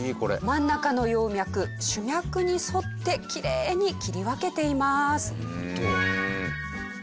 真ん中の葉脈主脈に沿ってきれいに切り分けています。